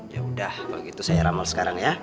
yaudah kalau gitu saya ramal sekarang ya